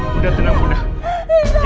bunda tenang bunda